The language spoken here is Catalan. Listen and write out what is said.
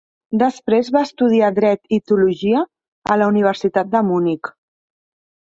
Després va estudiar dret i teologia a la Universitat de Munic.